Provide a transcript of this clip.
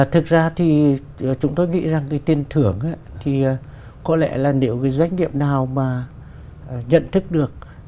thực ra thì chúng tôi nghĩ rằng cái tiền thưởng thì có lẽ là nếu cái doanh nghiệp nào mà nhận thức được